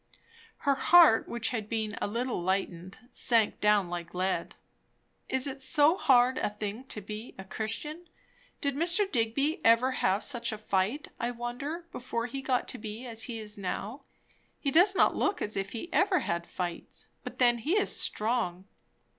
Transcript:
Her heart which had been a little lightened, sank down like lead. O, thought she, is it so hard a thing to be a Christian? Did Mr. Digby ever have such a fight, I wonder, before he got to be as he is now? He does not look as if he ever had fights. But then he is strong.